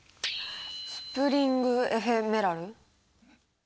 スプリングエフェメラル？